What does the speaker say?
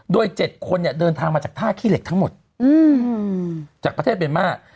โดย๗คนเดินทางมาจากท่าขี้เหล็กทั้งหมดจากประเทศเบเมร์มาก